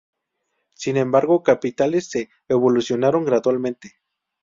Sin embargo, capitales se evolucionaron gradualmente.